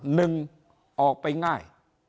หนึ่งออกไปง่าย